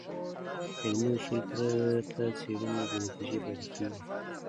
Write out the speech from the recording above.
علمي اصول پرته څېړنې بېنتیجه پاتې کېږي.